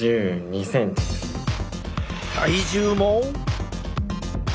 体重も。